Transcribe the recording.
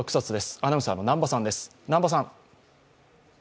アナウンサーの南波さん。